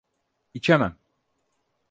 İçemem.